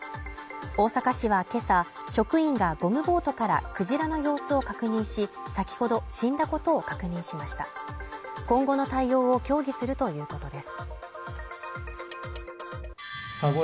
大阪市はけさ職員がゴムボートからクジラの様子を確認し先ほど死んだことを確認しました今後の対応を協議するということです